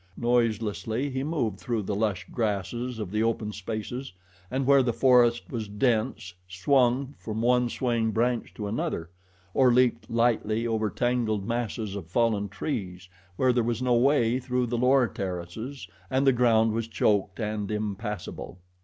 Noiselessly he moved through the lush grasses of the open spaces, and where the forest was dense, swung from one swaying branch to another, or leaped lightly over tangled masses of fallen trees where there was no way through the lower terraces, and the ground was choked and impassable.